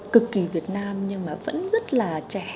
cực kỳ việt nam nhưng mà vẫn rất là trẻ